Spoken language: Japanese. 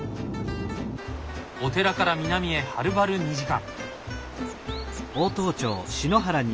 お寺から南へはるばる２時間！